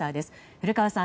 古川さん